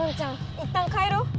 いったん帰ろう。